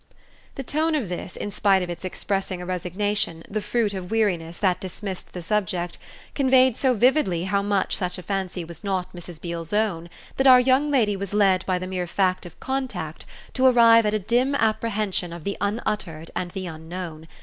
The tone of this, in spite of its expressing a resignation, the fruit of weariness, that dismissed the subject, conveyed so vividly how much such a fancy was not Mrs. Beale's own that our young lady was led by the mere fact of contact to arrive at a dim apprehension of the unuttered and the unknown.